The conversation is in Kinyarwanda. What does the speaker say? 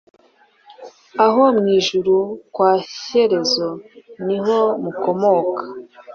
Aho mw'ijuru kwa Shyerezo ni ho mukomoka,